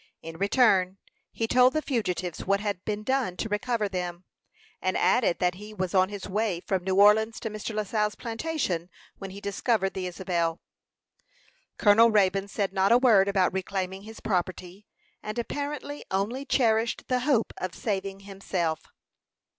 In return he told the fugitives what had been done to recover them, and added that he was on his way from New Orleans to Mr. Lascelles' plantation when he discovered the Isabel. Colonel Raybone said not a word about reclaiming his property, and apparently only cherished the hope of saving himself.